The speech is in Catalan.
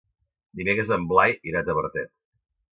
Dimecres en Blai irà a Tavertet.